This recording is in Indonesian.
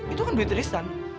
itu kan beli tristan